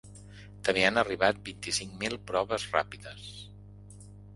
També han arribat vint-i-cinc mil proves ràpides.